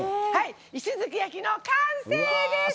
「石突き焼き」の完成です！